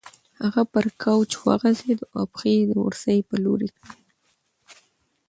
هغه پر کوچ وغځېده او پښې یې د اورسۍ په لور کړې.